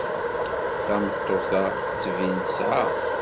Tameṭṭut-a tettbin tesεa.